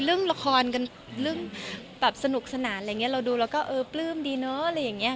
เรื่องแบบสนุกสนานอะไรอย่างเงี้ยเราดูแล้วก็เออปลื้มดีเนอะอะไรอย่างเงี้ย